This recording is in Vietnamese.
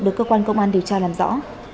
được cơ quan công an điều tra làm rõ